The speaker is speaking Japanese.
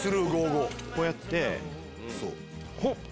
こうやって。